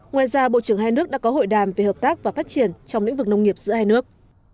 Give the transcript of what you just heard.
ngoài ra bộ trưởng hai nước đã có hội đàm về hợp tác và phát triển trong lĩnh vực nông nghiệp giữa hai nước